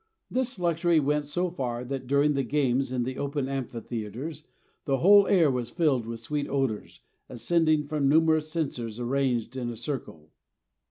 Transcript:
This luxury went so far that during the games in the open amphitheatres the whole air was filled with sweet odors ascending from numerous censers arranged in a circle.